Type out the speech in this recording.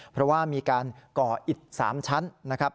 เพราะว่ามีการก่ออิด๓ชั้นนะครับ